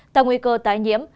tăng nguy cơ tái nhiễm